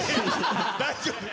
大丈夫。